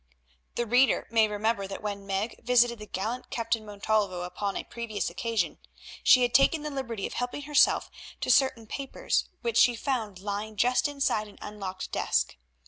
The reader may remember that when Meg visited the gallant Captain Montalvo upon a previous occasion, she had taken the liberty of helping herself to certain papers which she found lying just inside an unlocked desk.